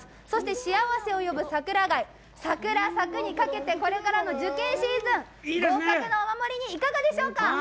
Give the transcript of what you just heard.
そして幸せを呼ぶさくら貝、「サクラサク」にかけて、これからの受験シーズン、合格のお守りにいかがでしょうか！